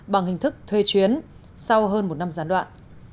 bằng hình thức thuê chuyến sau hơn một năm gián đoạn